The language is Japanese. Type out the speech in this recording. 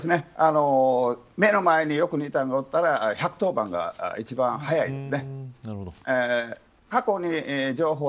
目の前によく似た人がいたら１１０番が一番早いです。